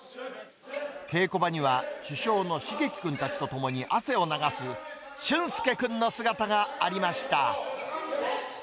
稽古場には、主将のしげき君たちと共に汗を流す俊介君の姿がありました。